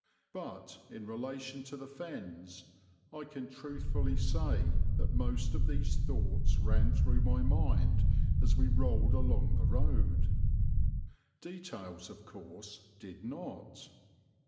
But, in relation to the Fens, I can truthfully say that most of these thoughts ran through my mind as we rolled along the road. Details of course did not.